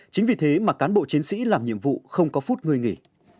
chính vì thế mà cán bộ chiến sĩ làm nhiệm vụ không có phút ngơi nghỉ